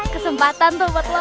kesempatan tuh buat lo